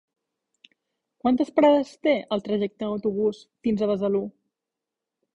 Quantes parades té el trajecte en autobús fins a Besalú?